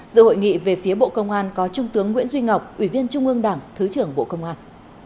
giữa hội nghị về phía bộ công an có trung tướng nguyễn duy ngọc ủy viên trung ương đảng thứ trưởng bộ công an